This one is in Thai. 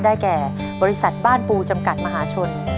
ได้แก่บริษัทบ้านปูจำกัดมหาชน